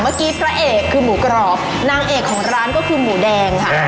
เมื่อกี้ตระเอกคือหมูกรอบน้ำเอกของร้านก็คือหมูแดงค่ะ